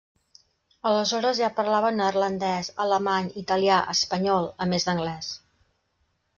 Aleshores ja parlava neerlandès, alemany, italià, espanyol, a més d'anglès.